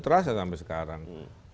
terasa sampai sekarang